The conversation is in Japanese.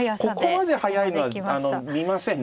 ここまで速いのは見ませんね。